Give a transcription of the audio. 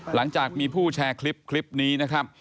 หลังจากมีผู้แชร์คลิปนี้นะครับ